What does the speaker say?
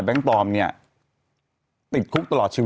เตียงตู้